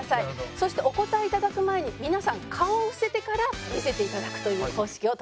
そしてお答え頂く前に皆さん顔を伏せてから見せて頂くという方式を取らせて頂きます。